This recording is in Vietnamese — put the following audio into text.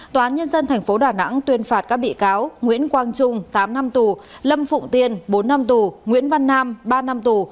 tòa nhân dân tp đà nẵng tuyên phạt các bị cáo nguyễn quang trung tám năm tù lâm phụng tiên bốn năm tù nguyễn văn nam ba năm tù